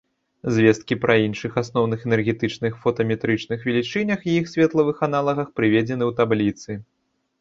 Звесткі пра іншых асноўных энергетычных фотаметрычных велічынях і іх светлавых аналагах прыведзены ў табліцы.